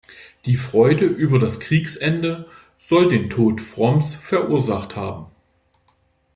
Die Freude über das Kriegsende soll den Tod Fromms verursacht haben.